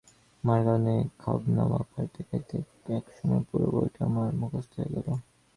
মার কারণেই খাবনামা ঘাঁটতে-ঘাঁটতে একসময় পুরো বইটা আমার মুখস্থ হয়ে গেল।